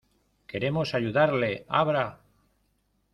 ¡ queremos ayudarle! ¡ abra !